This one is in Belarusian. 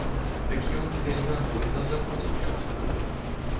Дык ён вельмі ахвотна заходзіў часта.